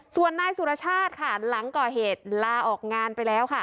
ส่วนนายสุรชาติค่ะหลังก่อเหตุลาออกงานไปแล้วค่ะ